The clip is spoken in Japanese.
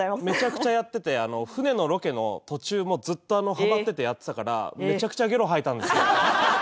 めちゃくちゃやってて船のロケの途中もずっとハマっててやってたからめちゃくちゃゲロ吐いたんですよ。